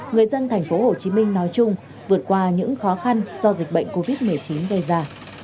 người dân thành phố hồ chí minh nói chung vượt qua những khó khăn do dịch bệnh covid một mươi chín gây ra